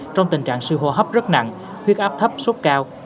trong tình trạng siêu hô hấp rất nặng huyết áp thấp sốt cao